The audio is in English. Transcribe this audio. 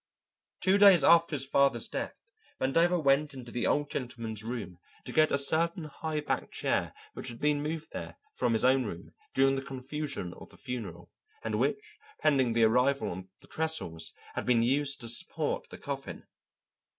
Two days after his father's death Vandover went into the Old Gentleman's room to get a certain high backed chair which had been moved there from his own room during the confusion of the funeral, and which, pending the arrival of the trestles, had been used to support the coffin.